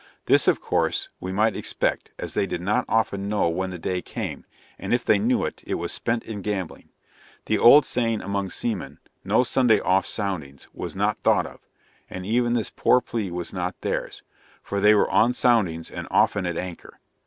This, of course, we might expect, as they did not often know when the day came, and if they knew it, it was spent in gambling. The old saying among seamen, "no Sunday off soundings," was not thought of; and even this poor plea was not theirs, for they were on soundings and often at anchor.